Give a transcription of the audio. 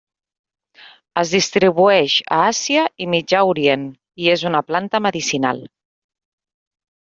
Es distribueix a Àsia i Mitjà Orient i és una planta medicinal.